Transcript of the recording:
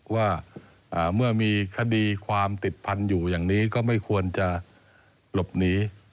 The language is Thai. ว่าเมื่อมีคดีความติดพันธุ์อยู่อย่างนี้ก็ไม่ควรจะหลบหนี